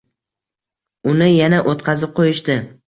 Uni yana o‘tqazib qo‘yishdi.